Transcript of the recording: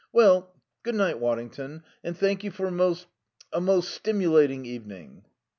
"Well.... Good night, Waddington, and thank you for a most a most stimulating evening."